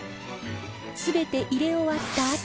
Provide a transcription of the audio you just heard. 全て入れ終わったあと